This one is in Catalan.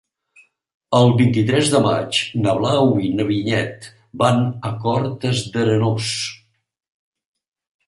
El vint-i-tres de maig na Blau i na Vinyet van a Cortes d'Arenós.